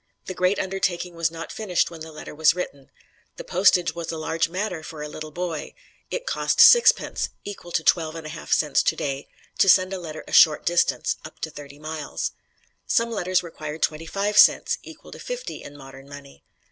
The great undertaking was not finished when the letter was written. The postage was a large matter for a little boy. It cost sixpence (equal to twelve and a half cents today) to send a letter a short distance up to thirty miles. Some letters required twenty five cents equal to fifty in modern money.